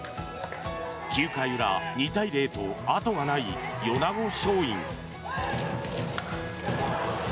９回裏、２対０とあとがない米子松蔭。